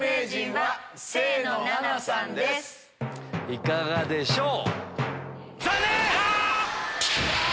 いかがでしょう？